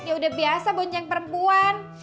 ya udah biasa bonceng perempuan